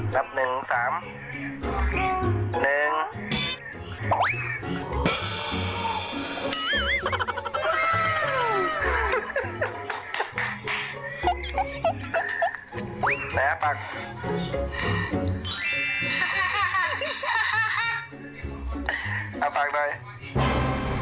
นับหนึ่งสาม